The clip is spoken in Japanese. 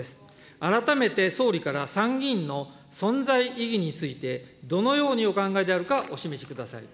改めて総理から参議院の存在意義について、どのようにお考えであるか、お示しください。